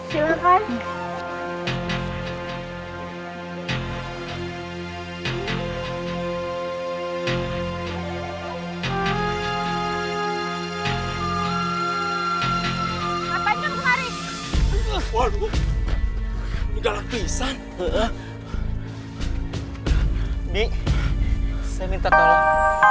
semoga mimpi burukku tidak menjadi kenyataan